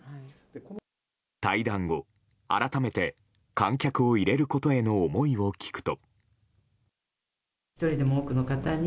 対談後、改めて観客を入れることへの思いを聞くと。